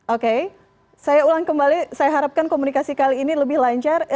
oke saya ulang kembali saya harapkan komunikasi kali ini lebih lancar